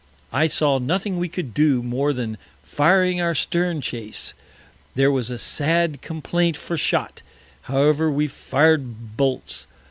I saw nothing we could do more than firing our Stern Chase. There was a sad Complaint for Shot; however we fir'd Bolts.